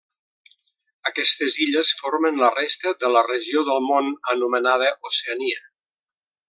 Aquestes illes formen la resta de la regió del món anomenada Oceania.